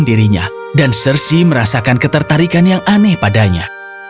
dan sersi merasakan ketertarikan yang aneh padanya